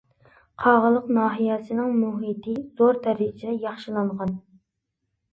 قاغىلىق ناھىيەسىنىڭ مۇھىتى زور دەرىجىدە ياخشىلانغان.